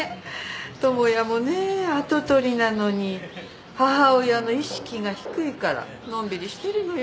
智也もね跡取りなのに母親の意識が低いからのんびりしてるのよ。